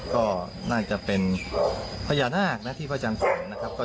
ก็น่าจะเป็นพญานาคนะที่พระอาจารย์สอนนะครับ